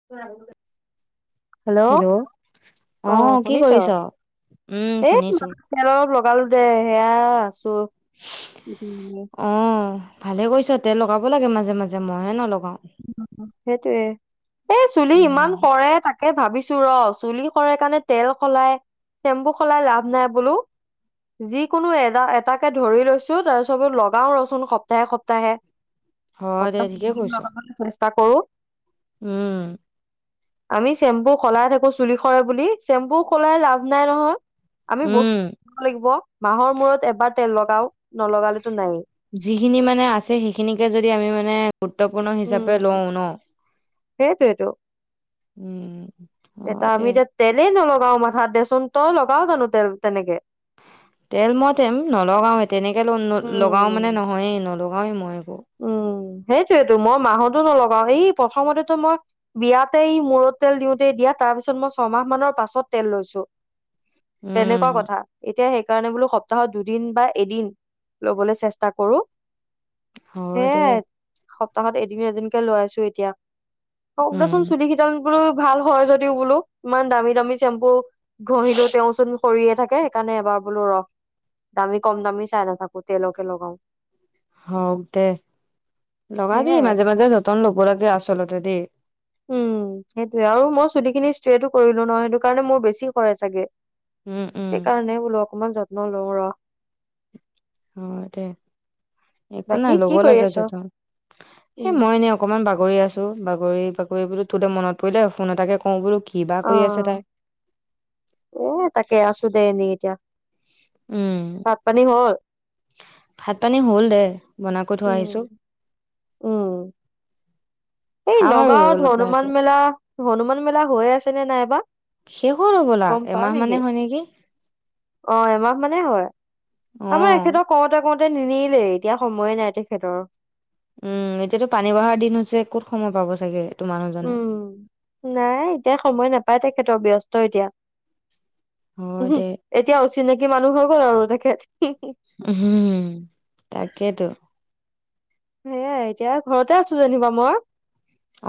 [unintelligible] Hello অ কি শুনিছ কৰিছ উম এ শুনিছো নাই তেল অলপ লগালো জে সেয়া আছোঁ। অঁ ভালে কৰিছ, তেল লগাব লাগে মাজে মাজে মই হে নলগাওঁ। সেইটোয়েই, এই চুলি উম ইমান সৰে তাক এই ভাবিছোঁ ৰহ। চুলি সৰে কাৰণে তেল সলাই চেম্পু সলাই লাভ নাই বোলো যিকোনো এ এটাকে ধৰি লৈছোঁ। তাৰ পিছত বোলো লগাওঁ ৰচোন সপ্তাহে সপ্তাহে। [inaudible] দে সপ্তাহ টোত ঠিকে দুদিন কৈছ লগাবলৈ চেষ্টা কৰোঁ। উম আমি চেম্পু সলাই থাকো চুলি শৰে বুলি, চেম্পু সলাই লাভ নাই নহয়। আমি উম বস্তুটো লগাব লাগিব। মাহৰ মূৰত এবাৰ তেল লগাওঁ নলগালেতো নাইয়ে। যিখিনি মানে আছে, সেইখিনিকে যদি আমি মানে গুৰুত্বপূৰ্ণ হিচাপে উম লও ন। সেইটোয়েতো উম, এটা হ'য় দে আমি এতিয়া তেলেই নলগাও মাথাত দেচোন, তই লগায় জানো তেল তেনেকে? তেল মই তেম নলগাওৱে, তেনেকে লগাও মানে উম নহয়েই, নলগাওয়ে মই। উম, সেইটোয়েতো মই মাহতো নলগাও। এই প্ৰথমতেতো মই বিয়াতেই মূৰত তেল দিওঁতেই দিয়া তাৰ পিছত মই ছমাহ মানৰ পাছত তেল লৈছোঁ। তেনেকুৱাঁ উম কথা, এতিয়া সেইকাৰণে বোলো সত সপ্তাহত দুদিন বা এদিন লবলৈ চেষ্টা কৰো। হয় দে সেইয়ায়ে সপ্তাহত এদিন এদিনকে লৈ আছো এতিয়াঁ। হওক উম দেচোন চুলিখিনি [inaudible] ভাল হয় যদিও বোলো, ইমান দামী দামী চেম্পু ঘঁহিলো তেওঁচোন সৰিয়ে থাকে, সেইকাৰণে এবাৰ বোলো ৰহ। দামী কম দামী চাই নাথাকো, তেলকে লগাও। হওঁক দে, লগাবি সেয়াই মাজে মাজে জতন ল'ব লাগে আচলতে দেই। উম সেইটোয়েই আৰু মই চুলিখিনি ষ্ট্ৰেটো কৰিলোঁ নহয়। সেইটো কাৰণে মোৰ বেছি সৰে চাগে। উম উম। সেইকাৰণে বোলো অকনমান যত্ন লওঁ ৰহ। হ'য় দে, একো বাকী নাই ল'ব কি কৰি লাগে আছ জতন। এই উম মই এনে অকণমান বাগৰি আছোঁ। বাগৰি বাগৰি বোলো তোৰ লে মনত পৰিলে ফোন এটাকে কওঁ বোলো কিবা অ কৰি আছে তাই। এ তাকে আছোঁ দে এনেই এতিয়া। উম ভাত -পানী হ'ল? ভাত - পানী হ'ল দে, বনাই কৰি থৈ উম আহিছোঁ। উম এই খাম আৰু নগাঁৱত অলপ হনুমান লাহেকে মেলা, হনুমান মেলা হৈ আছে নে নাইবা? শেষ হ'ল হ'বলা গম পাও এমাহ মানে হয় নেকি। অ এমাহ মানে হ'য়, অ আমাৰ এখেতক কওঁতে কওঁতে নিনিলেই। এতিয়া সময়ে নাই তেখেতৰ। উম এতিয়াঁতো পানী বঢ়াৰ দিন হৈছে ক'ত সময় পাব চাগে। এইটো মানুহজনে উম, নাই এতিয়া সময় নাপায় তেখেতৰ ব্যস্ত এতিয়া। হয় উহু দে এতিয়া অচিনাকি মানুহ হৈ গ'ল আৰু তেখেত। উঁহুম তাকেইতো। সেয়াই, এতিয়া ঘৰতে আছো যেনিবা মই।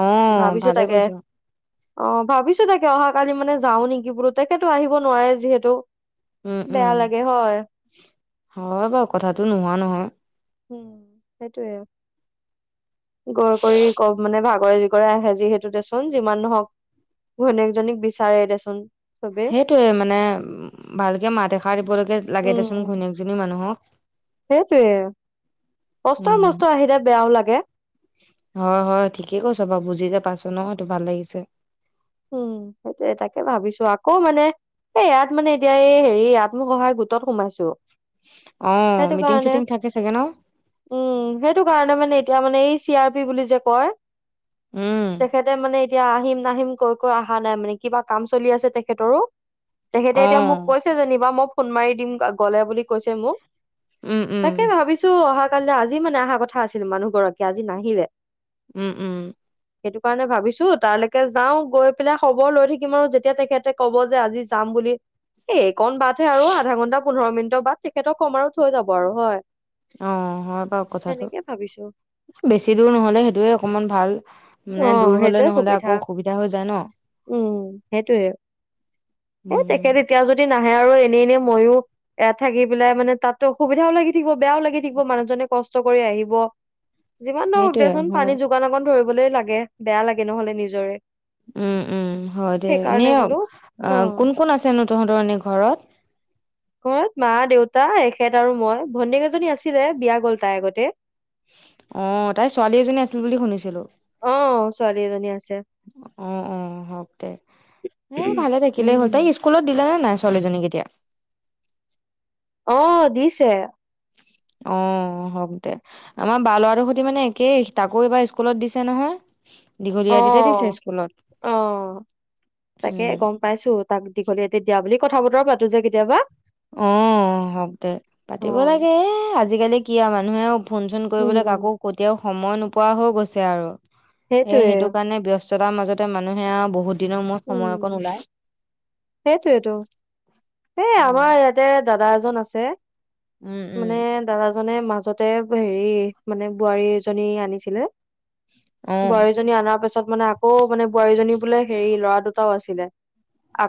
অ ভাবিছো ভালে তাকে কৰিছ অ ভাবিছো তাকে অহাাকালি মানে যাওঁ নেকি বোলো। তেখেতো আহিব নোৱাৰে যিহেতু। উম উম বেয়া লাগে হয়। হয় বাৰু কথাটো নোহোৱা নহয়। উম সেইটোয়ে, গৈ কৰি মানে ভাগৰে কৰে আহে যিহেতু দেচোন যিমান নহওক ঘৈনীয়েকজনীক বিচাৰে দেচোন। চবে সেইটয়ে মানে ভালকে মাত এষাৰ দিবলৈকে লাগে দেচোন ঘনীয়েকজনী মানুহক। সেইটয়ে, কষ্ট মষ্ট্ত উম আহিলে বেয়াও লাগে। হয় হয় ঠিকেই কৈছ বাৰু, বুজি যে পাছো ন সেইটো ভাল লাগিছে। উম সেইটোৱে তাকে ভাবিছো আকৌ মানে এ ইয়াত মানে এতিয়া এই হেৰি ইয়াত মই আত্মসহায় গোটত সোমাইছো। অ সেইটো মিটিং কাৰণে চিটিং থাকে চাগে ন? উম সেইটো কাৰণে মানে এতিয়া মানে এই চি আৰ পি বুলি যে কয়। উম তেখেতে মানে এতিয়া আহিম নাহিম কৈ অহা নাই মানে। কিবা কাম চলি আছে তেখেতৰো, তেখেতে অ এতিয়া মোক কৈ যেনিবা মই ফোন মাৰি দিম গ'লে বুলি কৈছে মোক, উম উম তাকে ভাবি ছো অহা কালিয়ে আজি মানে অহা কথা আছিলে মানুহগৰাকী আজি নাহিলে। উম উম। সেইটো কাৰণে ভাবিছো তাৰলৈকে যাওঁ গৈ পেলাই খবৰ লৈ থাকিম আৰু যেতিয়া তেখেতে ক'ব যে আজি যাম বুলি এ এইকণ বাটহে আৰু আধা ঘণ্টা পোন্ধৰ মিনিটৰ বাট তেখেতক কম আৰু থৈ যাব আৰু হয়। অ হয় বাৰু কথাটো। সেনেকে ভাবিছো। বেছি দূৰ নহলে সেইটোয়ে অকণমান ভাল। মানে অ', দূৰ হলে সেইটোয়ে নহলে সুবিধা আকৌ অসুবিধা দিকদাৰ হৈ যাই ন। উম, সেইটোয়ে এ উম উম তেখেত এতিয়া যদি নাহে আৰু এনেই, এনে মইও এ থাকি পেলাই মানে তাতো অসুবিধাও লাগি থাকিব, বেয়াও মানুহজনে কষ্ট কৰি আহিব। যিমান ধৰক সেইটোয়ে দেচোন, হয় পানী যোগান অকন ধৰিবলে লাগে বেয়া লাগে নহলে নিজৰে। উম, উম, হয় দে। এনে সেইকাৰণে বোলো অ কোন- কোন আছেনো তহঁতৰ এনে ঘৰত? ঘৰত মা, দেউতা, এখেত আৰু মই। ভণ্টি এজনী আছিলে বিয়া গ'ল তাই আগতে। অ' তাইৰ ছোৱালী এজনী আছিল বুলি শুনিছিলো। অ' ছোৱালী এজনী আছে। অ'অ' হওক দে, এ ভালে থাকিলে হ'ল তই স্কুল উম স্কুলত দিলা নে নাই ছোৱালীজনী এতিয়া? অ' দিছে। অ' হওক দে। আমাৰ বা ল'ৰাটোৰ সৈতে মানে একেই, তাকো এইবাৰ স্কুলত দিছে নহয়। দীঘলী অ আতিতে দিছে স্কুলত অ তাকে উম, গম পাইছো তাক দীঘলীয়া এ দিয়া বুলি কথা বতৰা পাতো যে কেতিয়াবা। আহ, হওক দে, অ পাতিব লাগে এ, আজিকালি কিয় মানুহে আৰু ফোন-চোন উম কৰিবলৈ কাকো কেতিয়াও সময় নোপোৱা হৈ গৈছে আৰু। এ সেইটোয়ে সেইটো কাৰণে ব্যস্ত ব্যস্ততাৰ মাজতে মানুহে আৰু বহুত দিনৰ মূৰত উম সময় অকণ ওলায়। সেইটোয়েতো এই আমাৰ অ' ইয়াতে দাদা এজন আছে। উম উম মানে দাদাজনে মাজতে হেৰি মানে, বোৱাৰী এজনী আনিছিলে। অ বোৱাৰীজনী অনাৰ পিছত মানে আকৌ মানে বোৱাৰীজনী বোলে হেৰি ল'ৰা দুটাও আছিলে।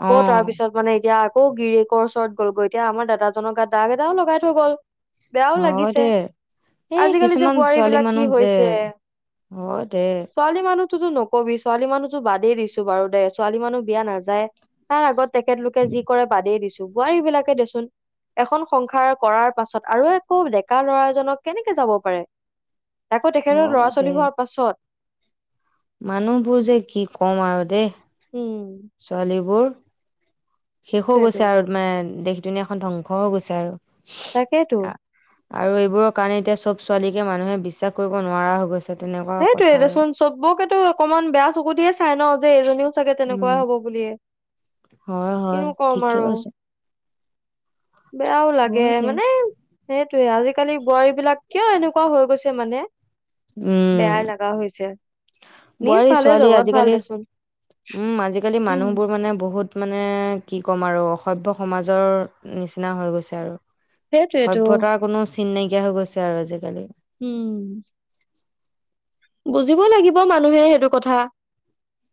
অ তাৰ পিছত মানে এতিয়া আকৌ গিৰিকৰ ওচৰত গল গৈ এতিয়া আমাৰ দাজক গাত দাগ এটাও লগাই থৈ গ'ল। বেয়াও হয় লাগিছে। দে এই আজিকালি যে কিছুমান বোৱাৰী ছোৱালী বিলাক কি মানুহ যে হৈছে। হয় দে ছালী মানুহতোতো নকবি ছোৱালী মানুহতো বাদেই দিছো বাৰু দে ছোৱালী মানুহ বিয়া নাযায়। তাৰ আগত তেখেতলোকে যি কৰে বাদেই দিছো বোৱাৰী বিলাকে দেচোন এখন সংসাৰ কৰাৰ পাছত আৰু একৌ ডেকা ল'ৰাজনক কেনেকে যাব পাৰে। আকৌ তেখেতৰ হয় ল'ৰা দে ছোৱালী হোৱাৰ পাছত। মানুহবোৰ যে কি কম আৰু দেই উম ছোৱালীবোৰ শেষো সেইটোয়েতো গৈছে আৰু মানে দেশ দুনীয়া এখন ধ্বংসও গৈছে আৰু তাকেইতো আহ, আৰু এইবোৰৰ কাৰণে এতিয়া সব ছোৱালীকে মানুহে বিশ্বাস কৰিব নোৱাৰা হৈ গৈছে। তেনেকুৱা কথা সেইটোৱয়ে আৰু দেচোন চবকেতো অকনমান বেয়া চকু দিয়ে চাই ন যে এইজনীও চাগে তেনেকুৱা উম হ'ব বুলিয়ে। হয়, হয় কিনো কম ঠিকে আৰু কৈছে। বেয়াও লাগে হয় দে মানে সেইটয়ে আজিকালি বোৱাৰী বিলাক কিয় এনেকুৱা হৈ গৈছে মানে। উম, বেয়া লাগা হৈছে। নিজ বোৱাৰী, ভালে ছোৱালী জগত ভাল আজিকালি দেচোন। উম, আজিকালি উম মানুহবোৰ মানে বহুত মানে কি ক'ম আৰু অসভ্য সমাজৰ নিচিনা হৈ গৈছে আৰু। সেইটোৱেতো সভয়তাৰ কোনো চিন নাইকিয়া হৈ গৈছে আৰু আজিকালি। উম, বুজিব লাগিব, মানুহে সেইটো কথা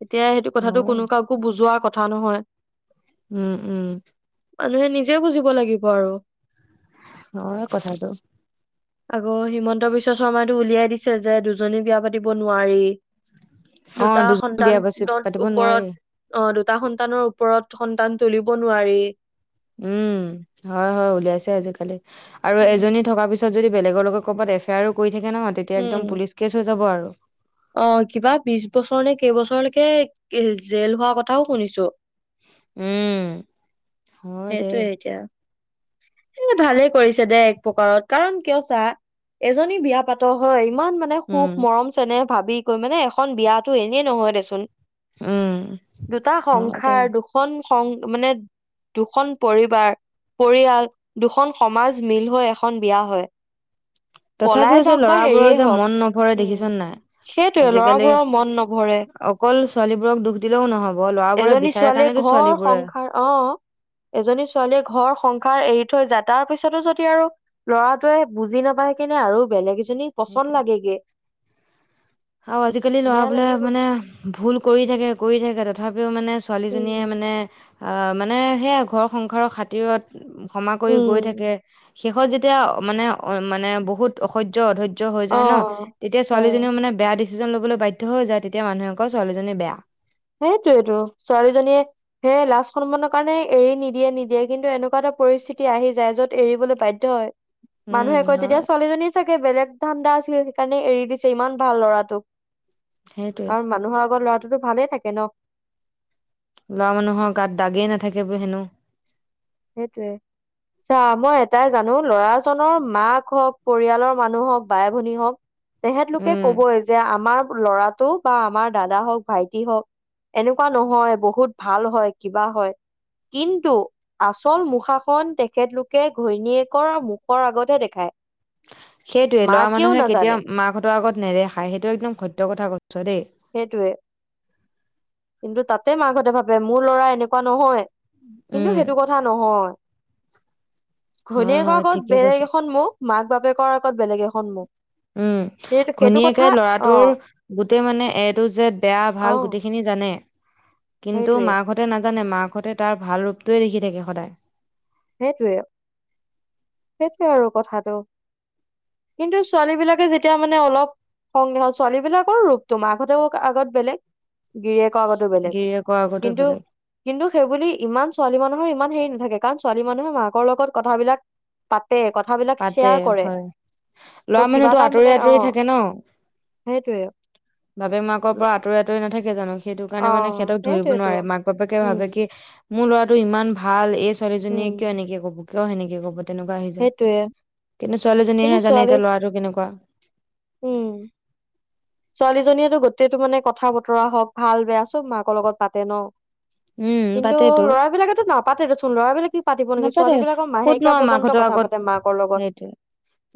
এতিয়া সেইটো কথাটো হয় কোনুৱা একো বুজোৱাৰ কথা নহয়। উম, উম। মানুহে নিজে বুজিব লাগিব আৰু হয় কথাটো। আকৌ হিমন্ত বিশ্ব শৰ্মাটোউলিয়াই দিছে যে দুজনী বিয়া পাতিব নোৱাৰি। অ দুটা দুজনী বিয়া পাচি সন্তানৰ পাতিব নোৱাৰি ওপৰত অ' দুটা সন্তানৰ ওপৰত সন্তান তুলিব নোৱাৰি। উম, হয়, হয়। উলিয়াইছে আজিকালি আৰু উম। এজনী থকা পিছত পিছত যদি বেলেগৰ লগে ক'বাত এফ আই আৰ কৰি থাকে নহয় তেতিয়া উম একদম পুলিচ কেচ হৈ যাব আৰু। অ' কিবা বিশ বছৰ নে কেইবছৰলৈকে জেল হোৱা কথাও শুনিছো। উম, হয় দে সেইটোয়ে এতিয়া এ ভালে কৰিছে দে এক প্ৰকাৰত কাৰণ কিয় চা এজনী বিয়া পাত হয়, ইমান মানে সুখ উম মৰম চেনেহ ভাবি কৈ মানে এখন বিয়াটো এনেই নহয় দেচোন। উম দুটা হয় দে সংসাৰ দুখ। দুখন সং মানে দুখন পৰিবাৰ পৰিয়াল দুখন সমাজ মিল হৈ এখন বিয়া হয়। পলাই তথাপিও যে যাওক বা হেৰিয়ে লৰাবোৰৰ যে হওক মন নভৰে উম দেখিছা নে নাই? সেইটোৱে আজিকালি লৰাবোৰৰ মন নভৰে অকল ছোৱালীবোৰক দুখ দিলেও নহব ল'ৰাবোৰে এজনী বিচ ছোৱালীয়ে ঘৰ সংসাৰ অ এজনী ছোৱালীয়ে ঘৰ সংসাৰ এৰি থৈ যায় তাৰ পিছতো যদি আৰু ল'ৰাটোৱে বুজি নাপায় কিনে আৰু বেলেগ [unintelligible] লাগে গে। অ' আজিকালি বেয়া ল'ৰাবোলে লাগিবই। মানে ভুল কৰি থাকে কৰি থাকে তথাপিও মানে ছোৱালীজনীয়ে উম, মানে মানে সেয়া ঘৰ সংসাৰৰ খাতিৰত ক্ষমা কৰি উম, গৈ থাকে শেষত যেতিয়া মানে অ মানে বহুত অসহ্য অধৈৰ্য। য হৈ যায় ন অ', তেতিয়া হয়। ছোৱালীজনীও মানে বেয়া ডিচিছন লবলৈ বাধ্য হৈ যায় তেতিয়া মানুহে কয় ছোৱালীজনী বেয়া। সেইটোৱেইটো ছোৱালীজনীয়ে হে লাজ সন্মানৰ কাৰণে এৰি নিদিয়ে নিদিয়ে কিন্তু এনেকুৱা এটা পৰিস্থিতি আহি যায় যত এৰিবলৈ বাধ্য হয়। উম মানুহে কয় তেতিয়া হয় ছোৱালীজনী চাগে বেলেগ ধান্দা আছিল সেইকাৰণে এৰি দিছে ইমান ভাল ল'ৰাটোক। সেইটোয়ে কাৰণ মানুহৰ আগৰ ল'ৰাটো ভালে থাকে ন। ল'ৰা মানুহৰ গাত দাগে নাথাকে বহেনো। সেইটোৱে। চা মই এটাই জানো ল'ৰাজনৰ মাক হওঁক, পৰিয়ালৰ মানুহ হওঁক, বাই ভনী হওক তেসেতলোকে উম কবই যে আমাৰ ল'ৰাটোক বা আমাৰ দাদা হওঁক, ভাইটি হওঁক এনেকুৱা নহয় বহুত ভাল হয় কিবা হয়। কিন্তু? আচল মুখাখন তেখেতলোকে ঘৈণীয়েকৰ মুখৰ আগতহে দেখাই। সেইটোৱে লৰা মানুহে কেতিয়াও মাকহঁতৰ আগত নেদেখায় সেইটো একদম সত্যকথা কৈছ দেই। সেইটোৱে। কিন্তু তাতে মাকহঁতে ভাৱে মোৰ ল'ৰা এনেকুৱা নহয়, কিন্তু উম সেইটো কথা [unintelligible] নহয় হয় ঘৈণীয়েকৰ হয় আগত ঠিকে কৈছ বেলেগ এখন মুখ মাক-বাপেকৰ আগত বেলেগ এখন মুখ। উম, সেইটো সেইটো ঘৈনীয়েকে কথা অ ল'ৰাটোৰ গোটেই মানে এ-টু-যেদ বেয়া অ ভাল গোটেইখিনি জানে, কিন্তু সেইটোৱে মাকহঁতে নাজানে মাকহঁতে তাৰ ভাল ৰূপটোৱে দেখি থাকে সদায়। সেইটোৱে, সেইটোৱে আৰু কথাটো। কিন্তু ছোৱালী বিলাকে যেতিয়া মানে অলপ সং ছোৱালী বিলাকৰো ৰূপ তোমাৰ আগতেও আগত বেলেগ। গিৰিয়েকৰ আগতো বেলেগ গিৰিয়েকৰ আগতো কিন্তু বেলেগ কিন্তু সেই বুলি ইমান ছোৱালী মানুহৰ ইমান হেৰী নাথাকে। কাৰণ, ছোৱালী মানুহে মাকৰ লগত কথা বিলাক পাতে, কথা বিলাক পাতে ছেয়াৰ কৰে। হয়, ল'ৰা ত' কিবা মানুহতো এটা আঁতৰি মানে অ, আঁতৰি থাকে ন। সেইটোৱে। বাপেক মাকৰ পৰা আঁতৰি আঁতৰি নাথাকে জানো। সেইটো অ কাৰণে মানে সিহঁতক ধৰিব সেইটোৱেতো নোৱাৰে। মাক বাপেকে উম ভাবে কি মোৰ ল'ৰাটো ইমান ভাল, এই উম ছোৱালীজনীয়ে কিয় এনেকে ক'ব, কিয় সেনেকে ক'ব, তেনেকুৱা আহি যায়। সেইটোৱে কিন্তু কিন্তু ছোৱালীজনীয়েহে জানে ছোৱালী এতিয়া ল'ৰাটো কেনেকুৱা। ছোৱালীজনীয়েটো গোটেইটো মানে কথা-বতৰা হওঁক ভাল বেয়া চব মাকৰ লগত পাতে ন'। উম, কিন্তু পাতেতো ল'ৰা বিলাকেটো নাপাতে দেচোন, ল'ৰা বিলাক কি পাতিব নেকি? নাপাতে ছোৱালী বিলাকৰ ক'তনো মাহেকীয়া আৰু পৰ্য্যন্ত মাকহঁতৰ কথা আগত পাত তে মাকৰ লগত। সেইটোৱে।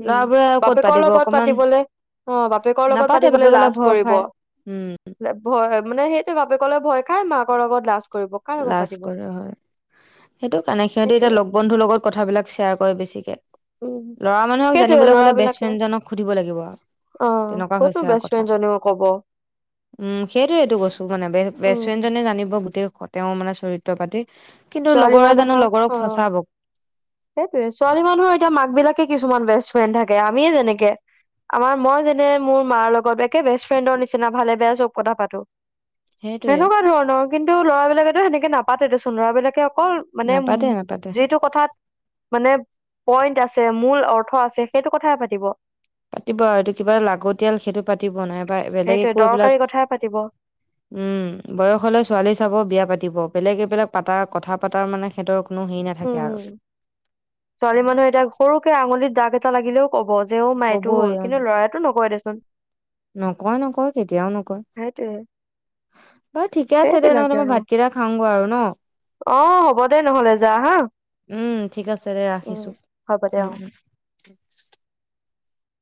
উম, ল'ৰাবোৰে আৰু ক'ত বাপেকৰ পাতিব লগত অকমান পাতিবলে অ বাপেকৰ লগত নাপাতে পাতিবলে বাপেকলে লাজ ভয় কৰিব। খাই উম ভয় হয় মানে সেইটোৱে বাপেকলে ভয় খাই, মাকৰ লগত লাজ কৰিব। কাৰ লগত লাজ পাতিব কৰে হয়। সেইটো কাৰণে সিহঁতি এতিয়া সেইটোয়ে লগ বন্ধুৰ লগত কথা বিলাক ছেয়াৰ কৰে বেছিকে। ল'ৰা মানুহক সেইটোয়ে জানিবলে হ'লে বেষ্ট ফ্ৰেইণ্ডজনক সুধিব লাগিব আৱ। অহ, ক'তনো বেষ্ট ফ্ৰেইণ্ডজনেও ক'ব। উম, সেইটোৱেইটো কৈছোঁ মানে বে বেষ্ট উম ফ্ৰেইণ্ডজনে জানিব গোটেই কথ তেওঁ মানে চৰিত্ৰ পাতি। কিন্তু ছোৱালী লগৰে জানো লগৰক ফচাব? সেইটোৱেই, ছোৱালী মানুহৰ এতিয়া মাক বিলাকে কিছুমান বেষ্ট ফ্ৰেইণ্ড থাকে। আমিয়ে যেনেকে। আমাৰ মই যেনে মোৰ মাৰ লগত একে বেষ্ট ফ্ৰেইণ্ডৰ নিচিনা ভালে বেয়াই চব কথা পাতো। সেইটোয়ে সেনেকুৱা ধৰণৰ, কিন্তু ল'ৰা বিলাকেটো সেনেকে নাপাতে দেচোন, ল'ৰা বিলাকে অকল মানে মূ নাপাতে নাপাতে যিটো কথাত মানে পইণ্ট আছে মূল অৰ্থ আছে সেইটো কথাহে পাতিব। পাতিব আৰু এইটো কিবা লাগতীয়াল সেইটো পাতিব নাইবা বেলেগ সেইটোৱে একো এইবিলাক দৰকাৰী কথাই পাতিব উম, বয়স হ'লে ছোৱালী চাব, বিয়া পাতিব। বেলেগ এইবিলাক পাতা কথা পাতাৰ মানে সিহঁতৰ কোনো হেৰী নাথাকে আৰু উম, কে আঙুলিত দাগ এটা লাগিলেও ক'ব, যে অ মাই এইটো ক'বই হ'ল। উম, কিন্তু ল'ৰাইটো নকয় দেচোন। নকয় নকয় কেতিয়াও নকয়। সেইটোৱে বাৰু ঠিকে আছে দে নহ'লে, সেইবিলাকে মই ভাতকেইটা খাওঁগৈ আৰু ন'? অঁ হ'ব দে নহ'লে যা হাঁ। উম, ঠিক আছে দে ৰাখিছোঁ। হ'ব দে উম অ উম।